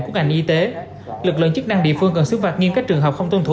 của ngành y tế lực lượng chức năng địa phương cần xứng phạt nghiêm cách trường hợp không tôn thủ